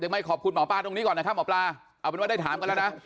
ไม่ขอบคุณหมอปลาตรงนี้ก่อนนะครับหมอปลาเอาเป็นว่าได้ถามกันแล้วนะ